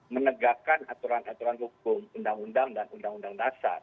menegakkan aturan aturan hukum undang undang dan undang undang dasar